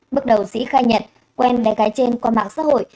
bước đầu sĩ khai nhận quen bé gái trên qua mạng xã hội